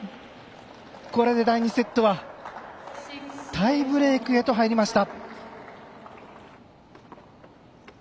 これで第２セットはタイブレークへと入りました。